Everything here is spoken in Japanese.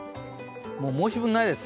もう申し分ないです。